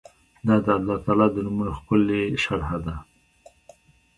دا د الله تعالی د نومونو ښکلي شرح ده